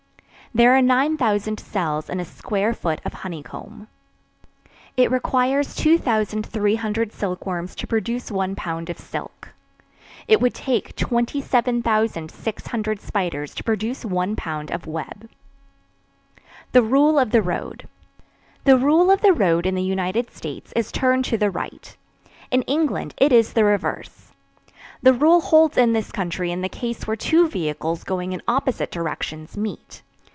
There are 9,000 cells in a square foot of honeycomb. It requires 2,300 silkworms to produce one pound of silk. It would take 27,600 spiders to produce one pound of web. THE RULE OF THE ROAD. The "rule of the road" in the United States is "turn to the right"; in England it is the reverse. The rule holds in this country in the case where two vehicles going in opposite directions meet.